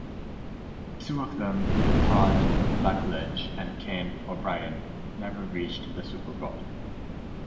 Two of them, Todd Blackledge and Ken O'Brien, never reached the Super Bowl.